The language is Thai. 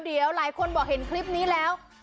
เดี๋ยวหลายคนบอกเห็นคลิปนี้แล้ว